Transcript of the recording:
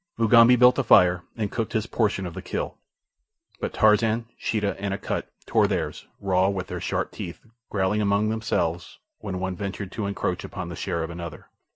Mugambi built a fire and cooked his portion of the kill; but Tarzan, Sheeta, and Akut tore theirs, raw, with their sharp teeth, growling among themselves when one ventured to encroach upon the share of another.